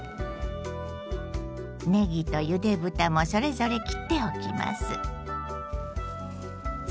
ねぎとゆで豚もそれぞれ切っておきます。